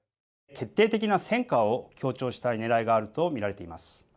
決定的な戦果を強調したいねらいがあると見られています。